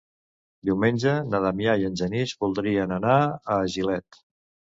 Diumenge na Damià i en Genís voldrien anar a Gilet.